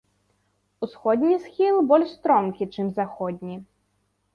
Усходні схіл больш стромкі, чым заходні.